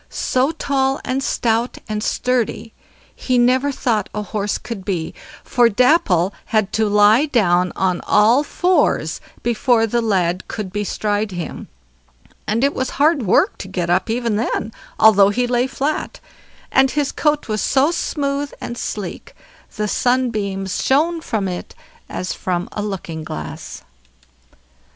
So tall, and stout, and sturdy, he never thought a horse could be; for Dapple had to lie down on all fours before the lad could bestride him, and it was hard work to get up even then, although he lay flat; and his coat was so smooth and sleek, the sunbeams shone from it as from a looking glass.